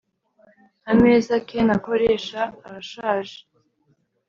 ameza ken akoresha arashaje